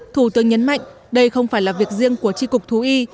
thủ tướng nhấn mạnh đây không phải là việc riêng của tri cục thú y